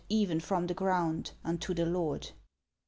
Even from the ground, unto the Lord